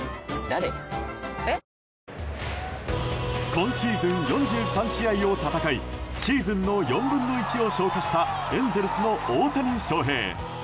今シーズン４３試合を戦いシーズンの４分の１を消化したエンゼルスの大谷翔平。